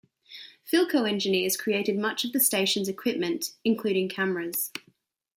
Philco engineers created much of the station's equipment, including cameras.